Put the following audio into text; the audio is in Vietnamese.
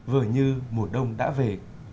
vừa như mùa đông đã về